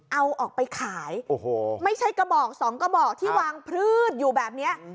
เอาออกไปขายโอ้โหไม่ใช่กระบอกสองกระบอกที่วางพืชอยู่แบบเนี้ย